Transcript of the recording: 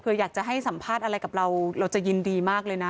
เพื่ออยากจะให้สัมภาษณ์อะไรกับเราเราจะยินดีมากเลยนะ